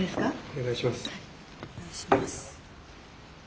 お願いします。